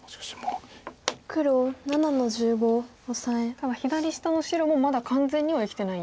ただ左下の白もまだ完全には生きてない。